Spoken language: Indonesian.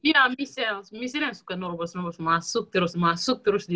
iya michelle michelle yang suka nerobos terobos masuk terus masuk terus dia